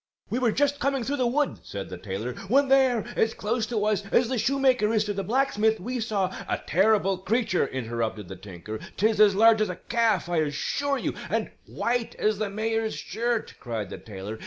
"We were just coming through the wood," said the tailor, "when there, as close to us as the shoemaker is to the blacksmith, we saw " "A terrible creature," interrupted the tinker. "'Tis as large as a calf, I assure you " "And white as the mayor's shirt," cried the tailor.